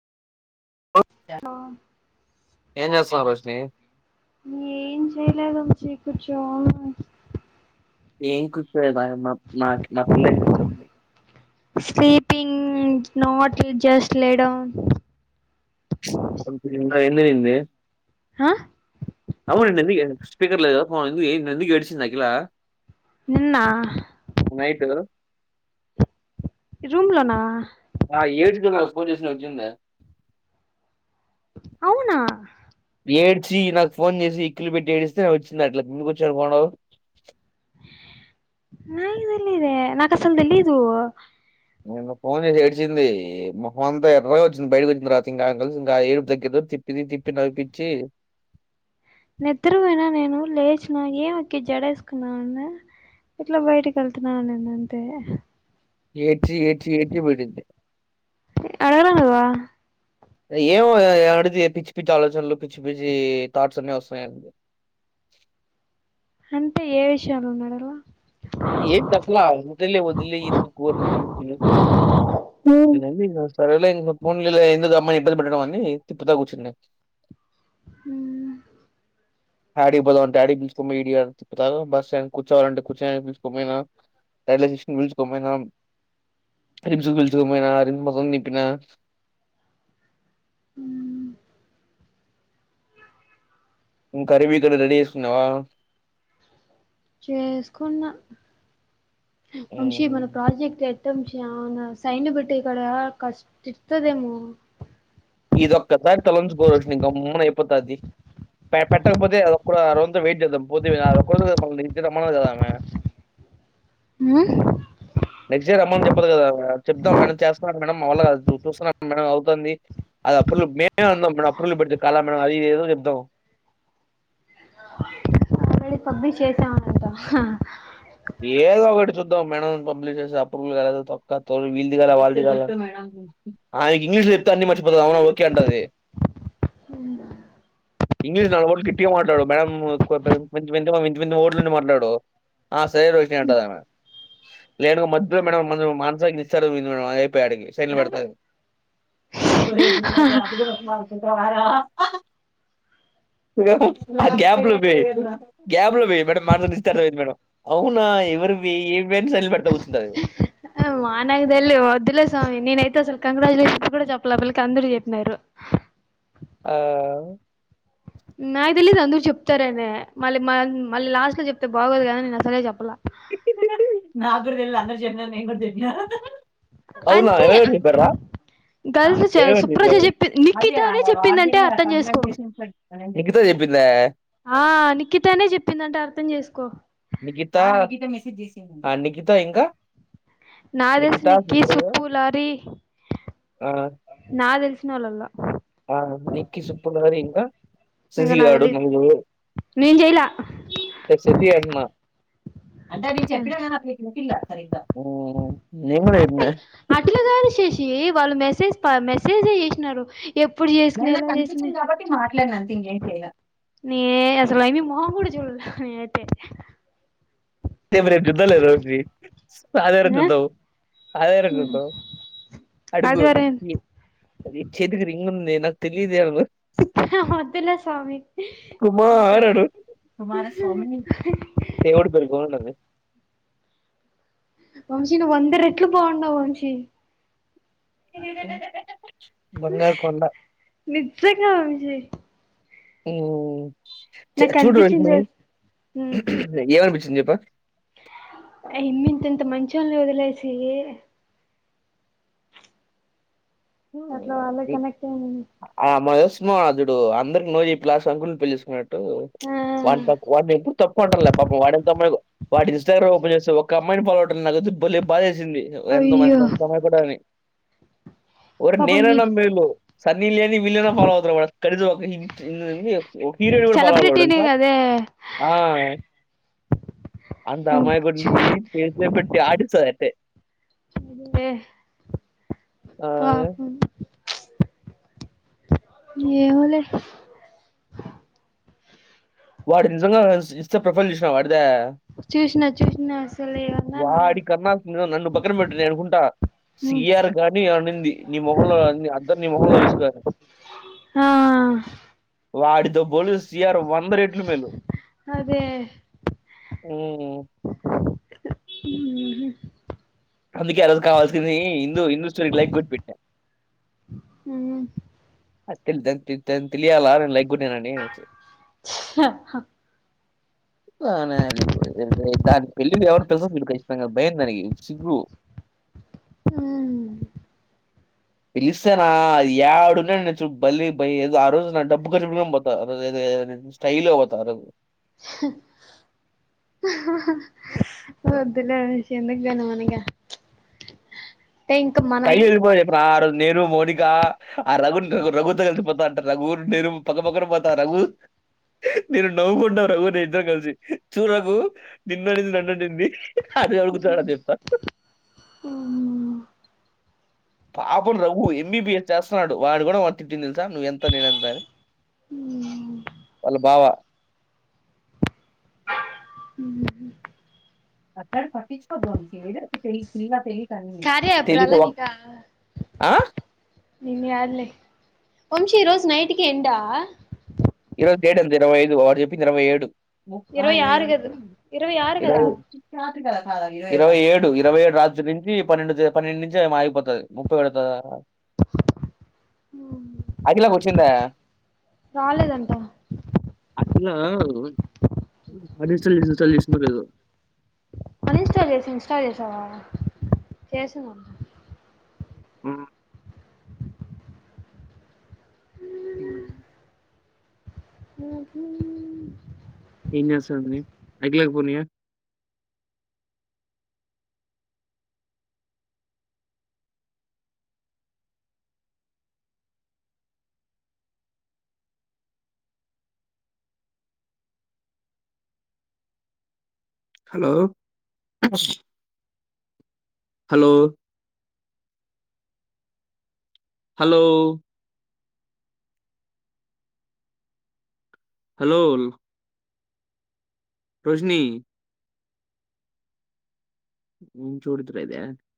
ఆ ఏం చేస్తున్నావు రోషిని ఏం చె చేయట్లేదు బుజ్జి కొంచెం అగురా [unintelligible] sleeping not eat just lay down ఇందాక ఎం జరిగిందే ఆ అవును నిన్న ఎందుకే స్పపీకర్ లేదు ఆ ఎందుకు ఎందుక్ ఏడుస్తుంది అఖిలా నిన్నా నైట్ రూమ్ లోనా ఆహ్ ఏడ్చుకుంట నాకు ఫోన్ చేసినావ్ చూడ్ నిన్నా అవునా ఏడ్చి నాకు ఫోన్ చేసి ఎక్కులు పెట్టి ఏడిస్తే వచ్చింది అట్లా [unintelligible] నాకు తెలీదే నాకసలు తెలీదు నిన్న ఫోన్ చేసి ఏడ్చింది మొహమంతా ఎర్ర వచ్చింది బయటికోచ్చిన తరువాత ఇంకా కలిసి ఇంకా ఆ ఏడుపు తగ్గేలోపు తి తిప్పిది తిప్పి నవ్విపిచ్చి నిద్రపోయినా నేను లేచిన ఎం అక్కి జడేసుకున్నావన్నా ఇట్లా బయటికేళ్తున్నా అనిందంతే ఏడ్చి ఏడ్చి ఏడ్చి పడింది అడగలా నువ్వా ఏమో అడితే పిచ్చి పిచ్చి ఆలోచనలు పిచ్చి పిచ్చి థాట్స్ అన్ని వస్తాయ అంటే ఏ విషయాలు అని అడుగవా ఎట్ చెప్పలా వదిలేయ్ వదిలెయ్ ఎందుకు ఉమ్ నిన్న ఏ గాజు సరేలా ఇంకా పోనీలే ఎందుకు అమ్మాయిని ఇబ్బంది పెట్టడం అని తిప్పుతా కూర్చున్న హుహ్ ఆడికి పోదాం అంటే ఆడికి తీసుకొని పోయిండా త బస్ స్టాండ్ కూర్చడానికి తీసుకోపోయినా [unintelligible] తీసుకొనిపోయినా మొత్తం తిప్పిన కరిబ క రడిీస్తున్నావా చేసుకున్న వంశి హ్మ్ మన ప్రాజెక్ట్ అవున సైన్ పెట్టే కడా తిడుతదేమో ఇది ఒక్కసారి తొలంచుకోరచ్చు నీ గమ్మన అయిపోతా అది పెట్టకపోతే ఓకా రోజు వెయిట్ చేద్దాం పోతే ఓ క రోజు రమ కదా ఆమె ఉ నెక్స్ట్ ఇయర్ అమ్మోని చెప్పదు కదా చేబ్దం మేడం చేస్తున్నాం మేడం మా వల్ల కాదు చూస్తున్నా మే అవుతుంది అది అ మం మేలు పెట్ కాల మేడం అది ఏ చెప్పుదాం మళ్ళి పబ్కి చేసామ అంటా ఏదో ఒకటి చూద్దాం మేడ పబ్లిష్ చేస్తే అప్రూవల్ కాలేదు తోక్క తోలు వీళ్ళది కద వాళ్ళది కద ఇంగ్లీషులో చెప్పితే అవును ఓకేంటది ఇంగ్లీష్ నాలుగుట్లు కిట్టిగా మాట్లాడు మేడం మంత రోట్లు నుండి మాట్లాడు సరే రోషిని లేను మధ్యలో మేడం మానసానికి ఇస్తారు అయిపోయా అడి సైన్ పెడత ఆ గ్యాబ్లు బ గ్యాబ్లు బ మేడం మాట ఇస్తది మేడం అవునా ఎవరు ఏ సల్లిపట్టవచ్చుందిద ఆ మానగదళ్లి వద్దులే స్వామి నేనైతే అసలు కంగ్రాట్యులేషన్ కూడా చెప్పలే పలికి అందరు చెప్పినారు ఆ నాకు తెలియదు అందర చెప్తారేనే మళ్ళీ మళ్ళీ లాస్ట్ లో చెప్తే బాగోదు కదని నేను అసలు చెప్పలే నాకు కూడా తెలువని అందరు చెప్పినారు అని చెప్పిన అవునా అంటే ఎవరప్పడ్రా గర్ల్స్ సుప్రజ చెప్పి నిఖితనే చెప్పిందంటే అర్థం చేసుకో నీకెట్ల చెప్పిందా ఆ నిఖితానే చెప్పిందంటే అర్థం చేసుకో నిఖితా నిఖితా ఇంకా నాకు తెలుసు నిఖిత నిక్కి సుప్పుడు సుబ్బు లారీ ఆ నా తెలిసిన వాళ్ళల ఆ నిక్కి సుబ్బు ఇంకా ఇంగ శశి నాకు గాడు తెలీదు నువ్వు నేను చేయలా శశి అంటున్న అంటే నేను. చెప్పిన పిల్ల సరిగ వీళ్లే నేను కూడా చెప్పిన అట్లాగాదు శశి చేసి వాళ్ళు మెసేజ్ మెసేజే చేసినారు ఎప్పుడు చేసుకున్నా ఎలా చేసిది ఇంట్లోనే నథింగ్ ఏం చేయలే ఆ అసలు అ మోహం కూడా చూడలే రి జుద్ద్ద లేదు అదే ఆ జుద్ద అదే జుద్ద అడుగు ఆదివారం చేతికి రింగ్ ఉంది నాకు తెలిదు అ ఆ వద్దులే స్వామి కుమార ఇంకా అడు కుమార స్వామిని దేవుడు బెల్లం వంశీ నువ్వు వంద రెట్లు బాగున్నావు వంశీ బంగారు కొండ నిజంగా విజయ్ చూడు తెలుసా ఏమనిపించింది చెప్పు మిమ్మల్ని ఎంత మంచోళ్లను వదిలేసి అట్లా వాళ్ళకి కనెక్ట్ అయింది ఆ మాకు తెలుసు విష్ణోధుడు అందరికి నో చెప్పి లాస్ట్ కు అంకుల్ ని పెళ్లి చేసుకున్నాడు టు ఆ వాని తప్ వాన్నెప్పుడు అనటం లే పాపం వాడేమ్ [unintelligible] సింది ఎంత అయ్యో మంచి ఎంత అమాయకుడని ఒరిని పాపం మీ నేనన్న మేలు సర్ సెలబ్రిటీనే కదే [unintelligible] ఆ అంత అమాయకన్ని చేతిలో పెట్టి ఆడిస్తది అట్టే అదే ఆ పాపం ఏమోలే వాడు నిజంగా ఇన్ స్టాప్రొఫైల్ జూసినవా చూష్ణ చూష్ణ అసలే వాడి కన్న ముందుగ నన్ను పక్కన బెట్టు నేను అనుకుంటా సిఆర్ గాన్ని అనింది నీ మొహంలో అద్దం నీ మొహంలో చూసుకో అని ఆ వాడితో బోలు సిఆరు వంద రె ట్లు మెలు అదే ఊ ఊహుహు అందుకే ఆ రోజు కావాల్సింది ఇందూ ఇందూ స్టోరీకి లైక్ గొడ్డి పెట్టా [unintelligible] తెలియాలా నేను లైక్ గొట్టినానని వానాలి [unintelligible] దాని పెళ్ళి కి ఎవర్ని పిల్సదు జూడు కచ్చితంగా భయం దానికి సిగ్గు ఆ పిలి స్తే రా ఏడున్న నుచ్చు బలే బయ ఆ రోజు నా డబ్బుఖర్చుపెట్టు కొనైనా పోత స్టై ల్ గా పోతా ఆరోజు రోజు వొద్దులే అనూష్ ఎందుగ్గని మన మింగ ట్రల్ ఎళ్లిపోయిక రా ఆరోజు [unintelligible] నేను మోనిక ఆ రఘుని రు రఘుతో గలిసిపోతా అంట రఘు నేను పక్క పక్కన పోతా రఘు నేను నవ్వుకుంటు రఘ నేను ఇద్దరం కలిసి చూడు రఘు నిన్ననింది నన్ననింది [unintelligible] పాపం రఘ ఎంబీబిఎస్ చేస్తన్నాడు వాడి గూడా వా తిట్టింది తెలుసా నువ్వెంత నేనెంత అని ఉ వాళ్ళ బావా అట్లాంటివి పట్టిచ్చుకోద్దు వంశీ ఏదైన పిల్ల తె కార్య యాప్ తెలిక రాలా ఒక్ ఆ నిన్ని గాద్లే వంశీ రోజు నైట్ కి ఎండా ఈరోజు డేటెంత ఇరవైఐదు వాడు జెప్పింది ఇరవై ఏడు ఇరవై ఆరు కదా ఇరవై ఆరు కదా ఈరోజు ఇరవై ఏడు ఇరవై ఏడు రాత్రి నుంచి పన్నెండు పన్నెండు నుంచి ఏమో ఆగిపోతది ముప్పై పెడతార అకిలాకొచ్చిందా బ్బా పిల్లా అని స్టాల్ ఇన్ స్టాల్ చేసిందో లేదో అన్ ఇన్స్టాల్ చేసి ఇన్స్టాల్ చేసావా చేసిందంట ఉ మ ఏం జేస్తాంది [unintelligible] hello hello hello hello Rojani ఉ చూడుదురు ఇదే